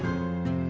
cari yang lain